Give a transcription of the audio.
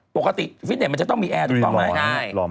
ปกติฟิตเน็ตมันจะต้องมีแอร์ตรงตรงไหน